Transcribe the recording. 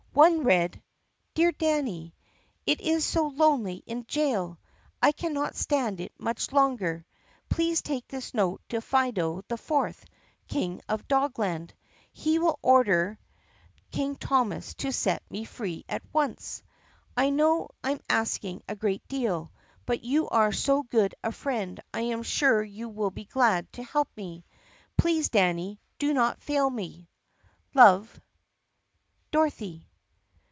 One read : Dear Danny : It is so lonely in jail ! I cannot stand it much longer! Please take this note to Fido IV, King of Dogland. He will order King Thomas to set me free at once. I know I am asking a great deal, but you are so good a friend I am sure you will be glad to help me. Please, Danny, do not fail me ! Love. Dorothy.